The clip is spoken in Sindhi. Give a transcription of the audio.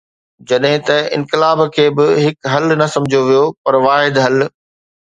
جڏهن ته انقلاب کي به هڪ حل سمجهيو ويو، پر واحد حل.